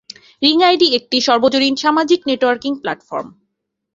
Ring ID একটি সর্বজনীন সামাজিক নেটওয়ার্কিং প্ল্যাটফর্ম।